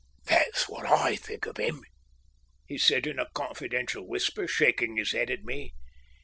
"That's what I think of him," he said in a confidential whisper, shaking his head at me.